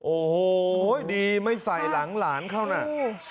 โอ้โหดีไม่ใส่หลังหลานเขาน่ะ